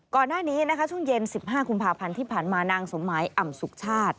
ก่อนหน้านี้นะคะช่วงเย็น๑๕กุมภาพันธ์ที่ผ่านมานางสมหมายอ่ำสุขชาติ